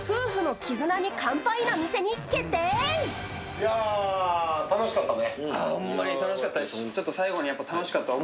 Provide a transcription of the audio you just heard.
いやー、楽しかったね。